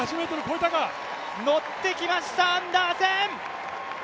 乗ってきました、アンダーセン。